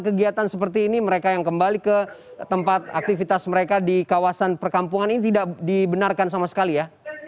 kegiatan seperti ini mereka yang kembali ke tempat aktivitas mereka di kawasan perkampungan ini tidak dibenarkan sama sekali ya